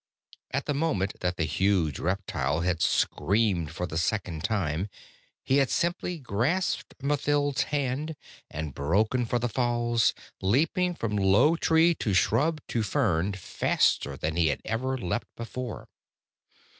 At the moment that the huge reptile had screamed for the second time, he had simply grasped Mathild's hand and broken for the falls, leaping from low tree to shrub to fern faster than he had ever leapt before.